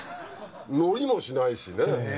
ノリもしないしね。